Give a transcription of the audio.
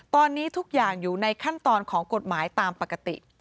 ตอนนี้ทุกอย่างอยู่ในขั้นตอนของกฎหมายตามปกติ